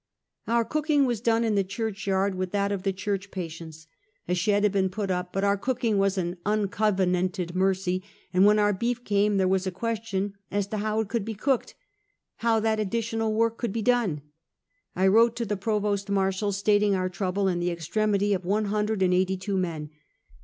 Our cooking was done in the churchyard, with that of the church patients. A shed had been put up; but our cooking was an " unco venan ted mercy," and when our beef came there was a question as to how it could be cooked — how that additional work could be done. I wrote to the Provost Marshal, stating our trouble, and the extremity of one hundred and eighty two men.